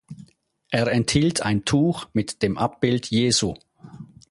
Er enthielt ein Tuch mit dem Abbild Jesu.